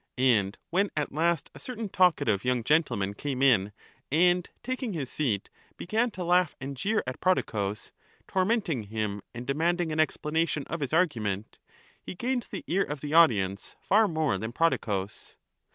And when at last a certain talkative young gentleman came in, and, taking his seat, began to laugh and jeer at Prodicus, tormenting him and demanding an explanation of his argument, he gained the ear of the audience far more than Prodicus.